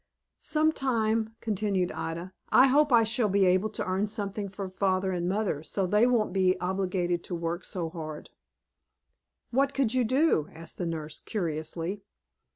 "Some time," continued Ida, "I hope I shall be able to earn something for father and mother, so they won't be obliged to work so hard." "What could you do?" asked the nurse, curiously.